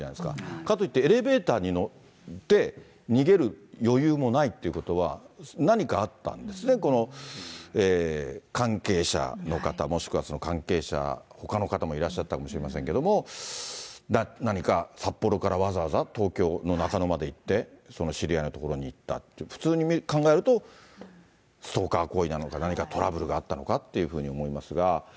かといってエレベーターに乗って、逃げる余裕もないということは、何かあったんですね、この関係者の方、もしくは関係者、ほかの方もいらっしゃったかもしれませんけれども、何か札幌からわざわざ東京の中野まで行って、知り合いの所に行ったって、普通に考えると、ストーカー行為なのか、何かトラブルがあったのかって思いますが。